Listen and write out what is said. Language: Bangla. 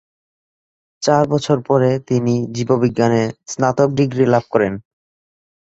চার বছর পরে, তিনি জীববিজ্ঞানে স্নাতক ডিগ্রি লাভ করেন।